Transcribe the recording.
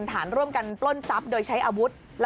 ฐานร่วมกันปล้นทรัพย์โดยใช้อาวุธ